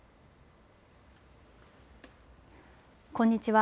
こんにちは。